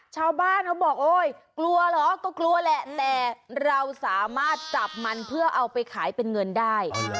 เช้าบ้านเขาบอกเราสามารถจับมันเพื่อเอาไปขายเป็นเงินได้